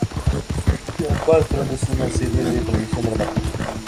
Sea Patrol es una serie de televisión dramática.